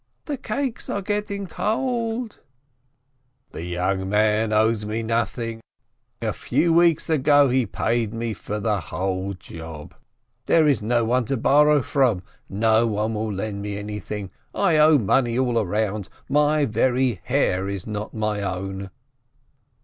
The cakes are getting cold." 113 SPEKTOR "The young man owes me nothing, a few weeks ago he paid me for the whole job. There is no one to borrow from, nobody will lend me anything, I owe money all around, my very hair is not my own."